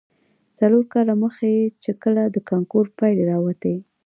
څلور کاله مخې، چې کله د کانکور پايلې راوتې.